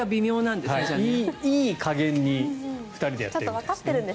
いい加減に２人でやっているみたいですね。